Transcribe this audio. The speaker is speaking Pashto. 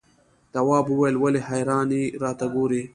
تواب وويل: ولې حیرانې راته ګوري؟